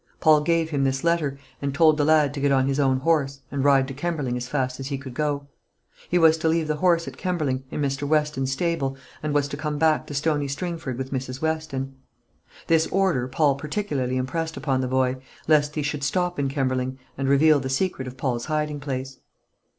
Paul gave him this letter, and told the lad to get on his own horse, and ride to Kemberling as fast as he could go. He was to leave the horse at Kemberling, in Mr. Weston's stable, and was to come back to Stony Stringford with Mrs. Weston. This order Paul particularly impressed upon the boy, lest he should stop in Kemberling, and reveal the secret of Paul's hiding place.